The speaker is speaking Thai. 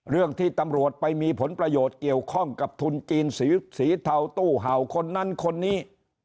เรื่องที่ตำรวจไปมีผลประโยชน์เกี่ยวข้องกับทุนจีนสีเทาตู้เห่าคนนั้นคนนี้